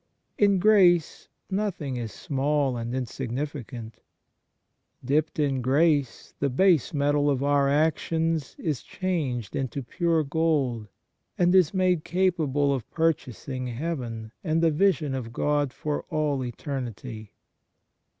In grace nothing is small and insignificant. Dipped in grace, the base metal of our actions is changed into pure gold, and is made capable of purchasing heaven and the vision of God for all eternity.